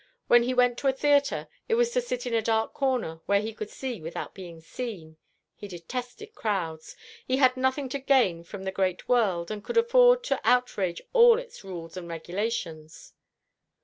When he went to a theatre, it was to sit in a dark corner, where he could see without being seen. He detested crowds. He had nothing to gain from the great world, and could afford to outrage all its rules and regulations."